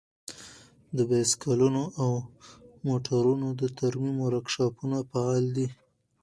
د بايسکلونو او موټرونو د ترمیم ورکشاپونه فعال دي.